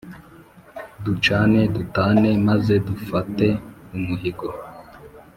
Ducane dutane maze dufate umuhigo!